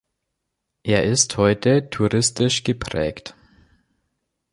Er ist heute touristisch geprägt.